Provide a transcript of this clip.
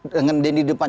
dengan dendy di depan